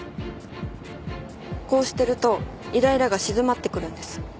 こうしてるとイライラが静まってくるんです。